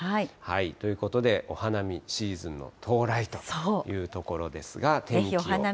ということで、お花見シーズンの到来というところですが。